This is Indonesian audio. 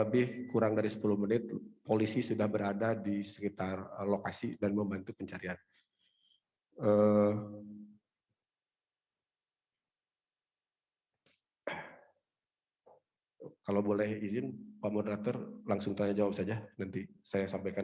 dan kami berkomunikasi dengan keluarga dan kedutaan